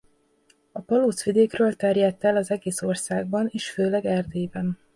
A palóc vidékről terjedt el az egész országban és főleg Erdélyben.